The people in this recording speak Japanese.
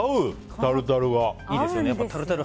タルタルが。